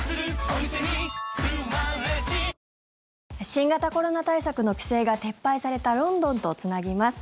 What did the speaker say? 新型コロナ対策の規制が撤廃されたロンドンとつなぎます。